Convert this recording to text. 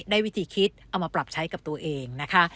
วิธีคิดเอามาปรับใช้กับตัวเองนะคะ